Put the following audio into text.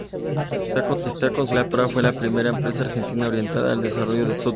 Esta consultora fue la primera empresa argentina orientada al desarrollo de software.